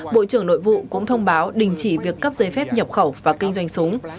bộ trưởng nội vụ cũng thông báo đình chỉ việc cấp giấy phép nhập khẩu và kinh doanh súng